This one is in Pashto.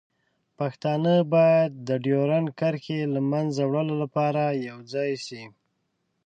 پښتانه باید د ډیورنډ کرښې له منځه وړلو لپاره یوځای شي.